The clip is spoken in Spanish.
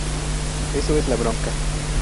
Eso es la bronca.